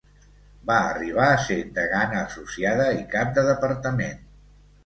Va arribar a ser degana associada i cap de departament.